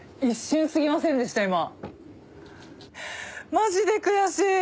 マジで悔しい。